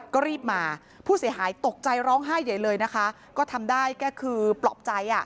ก็รีบมาผู้เสียหายตกใจร้องไห้ใหญ่เลยนะคะก็ทำได้แค่คือปลอบใจอ่ะ